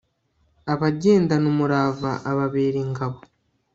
Abagendana umurava ababera ingabo